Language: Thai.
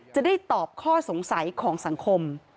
จะได้ตอบข้อสงสัยของสังคม